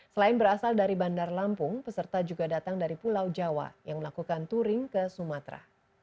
selain berasal dari bandar lampung peserta juga datang dari pulau jawa yang melakukan touring ke sumatera